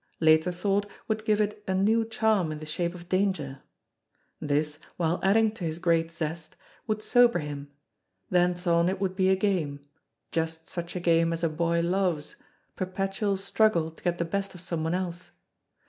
Later thought would give it a new charm in the shape of danger. This, while adding to his great zest, would sober him; thence on it would be a game just such a game as a boy loves, perpetual struggle to get the best of someone else.